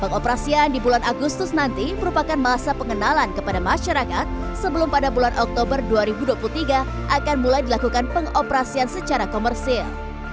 pengoperasian di bulan agustus nanti merupakan masa pengenalan kepada masyarakat sebelum pada bulan oktober dua ribu dua puluh tiga akan mulai dilakukan pengoperasian secara komersil